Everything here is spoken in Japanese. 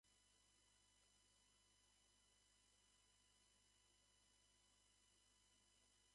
ふむ、私の言うことが聞けないと言うんだね。よろしい、ならばこっちにも考えがある。